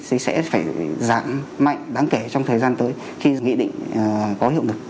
sẽ phải giảm mạnh đáng kể trong thời gian tới khi nghị định có hiệu lực